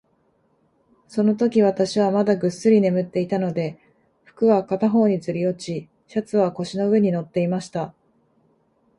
そのとき、私はまだぐっすり眠っていたので、服は片方にずり落ち、シャツは腰の上に載っていました。